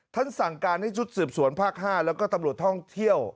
สั่งการให้ชุดสืบสวนภาค๕แล้วก็ตำรวจท่องเที่ยว